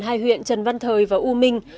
hai huyện trần văn thời và u minh